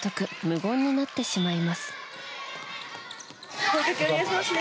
無言になってしまいます。